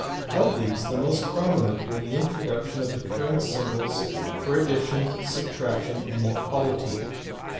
Of these the most prominent were the introduction of the current symbols for ad dition, subtraction, and equality.